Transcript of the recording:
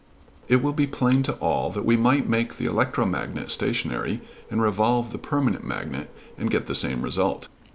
It will be plain to all that we might make the electromagnet stationary and revolve the permanent magnet and get the same result.